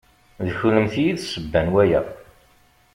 D kennemti i d ssebba n waya.